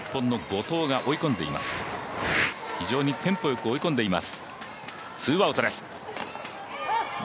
非常にテンポよく追い込んでいます。